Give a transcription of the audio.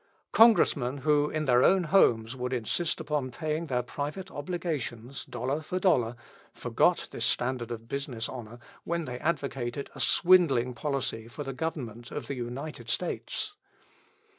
Congressmen who in their own homes would insist upon paying their private obligations, dollar for dollar, forgot this standard of business honour when they advocated a swindling policy for the Government of the United States.